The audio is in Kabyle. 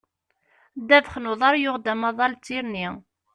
Ddabax n uḍar yuɣ-d amaḍal d tirni.